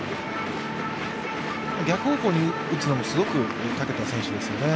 逆方向に打つのもすごくたけた選手ですよね。